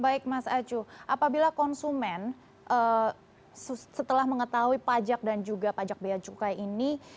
baik mas acu apabila konsumen setelah mengetahui pajak dan juga pajak biaya cukai ini